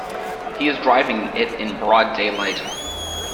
He is driving it in broad daylight.